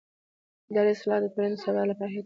اداري اصلاح د ټولنې د ثبات لپاره حیاتي دی